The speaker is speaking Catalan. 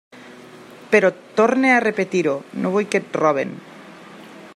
Però torne a repetir-ho: no vull que et roben.